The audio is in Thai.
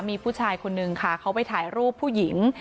มีผู้ชายคนนึงค่ะเขาไปถ่ายรูปผู้หญิง